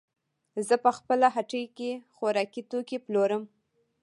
زه په خپله هټۍ کې خوراکي توکې پلورم.